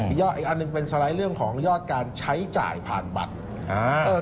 ยอดอีกอันหนึ่งเป็นสไลด์เรื่องของยอดการใช้จ่ายผ่านบัตร